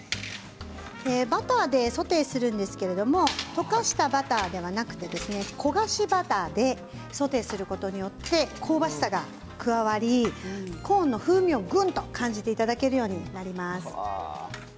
バターでソテーするんですけれど溶かしたバターではなくて焦がしバターでソテーをすることによって香ばしさが加わりコーンの風味が感じるようになります。